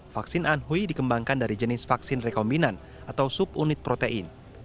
vaksin anhui dikembangkan dari jenis vaksin rekombinan atau subunit protein